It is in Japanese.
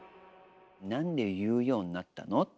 なんで言うようになったの？